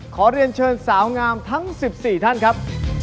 ขอเรียนเชิญสาวงามทั้ง๑๔ท่านครับ